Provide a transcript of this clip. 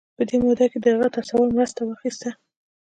په دې موده کې هغه د تصور مرسته واخيسته.